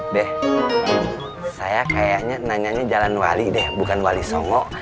deh saya kayaknya nanyanya jalan wali deh bukan wali songo